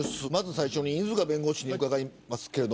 最初に犬塚弁護士に伺います。